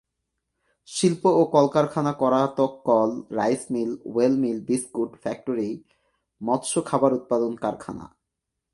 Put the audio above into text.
শিল্প ও কলকারখানা করাতকল, রাইসমিল, ওয়েলমিল, বিস্কুট ফ্যাক্টরি, মৎস খাবার উৎপাদন কারখানা।